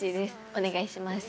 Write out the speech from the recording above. お願いします。